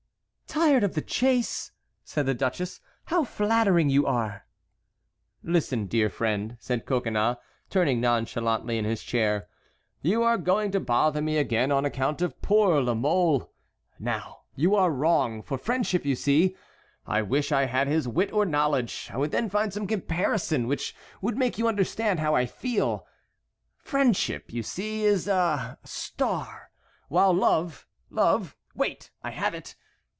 "Tired of the chase!" said the duchess. "How flattering you are!" "Listen, dear friend," said Coconnas, turning nonchalantly in his chair. "You are going to bother me again on account of poor La Mole. Now, you are wrong, for friendship, you see,—I wish I had his wit or knowledge, I would then find some comparison which would make you understand how I feel—friendship, you see, is a star, while love—love—wait! I have it!